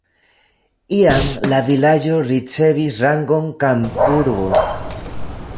Iam la vilaĝo ricevis rangon kampurbo.